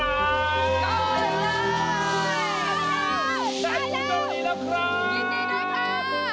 ยินดีเลยครับ